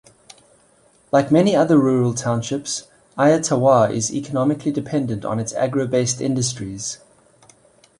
Like many other rural townships, Ayer Tawar is economically dependent on its agro-based industries.